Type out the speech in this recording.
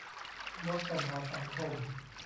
ลดปัญหาสังคม